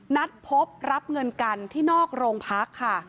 นัดพบรับเงินกันที่นอกโรงพักค่ะ